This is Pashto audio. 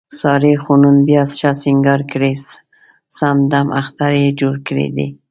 سارې خو نن بیا ښه سینګار کړی، سم دمم اختر یې جوړ کړی دی.